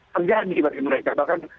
terjadi bagi mereka bahkan